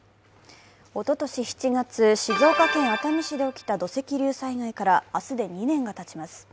おととし７月、静岡県熱海市で起きた土石流災害から明日で２年がたちます。